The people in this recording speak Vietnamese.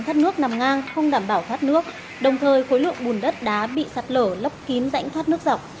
thoát nước nằm ngang không đảm bảo thoát nước đồng thời khối lượng bùn đất đá bị sạt lở lấp kín rãnh thoát nước dọc